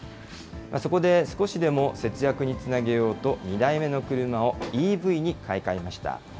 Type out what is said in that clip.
そこで少しでも節約につなげようと、２台目の車をＥＶに買い替えました。